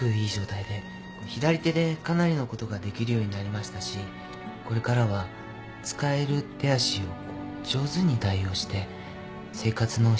左手でかなりのことができるようになりましたしこれからは使える手足をこう上手に代用して生活の質を上げていくことが大事です。